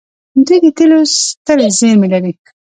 دوی د تیلو سترې زیرمې لري.